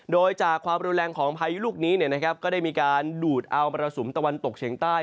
โดยจากความรุนแรงของพายุลูกนี้ก็ได้มีการดูดเอามรสุมตะวันตกเฉียงใต้